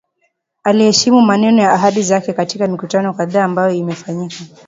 Aliyeheshimu maneno na ahadi zake katika mikutano kadhaa ambayo imefanyika."